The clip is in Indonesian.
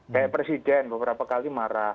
kayak presiden beberapa kali marah